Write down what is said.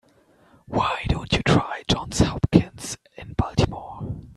Why don't you try Johns Hopkins in Baltimore?